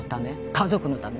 家族のため？